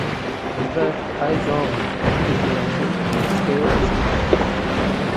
Emperor Taizong had pity on him and restored his ranks.